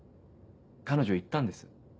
彼女言ったんです。